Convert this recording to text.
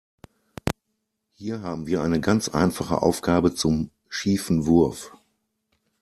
Hier haben wir eine ganz einfache Aufgabe zum schiefen Wurf.